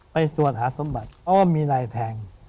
ไปตรวจหาสมบัติเพราะว่ามีลายแทง